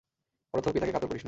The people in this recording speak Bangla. অনর্থক পিতাকে কাতর করিস নে।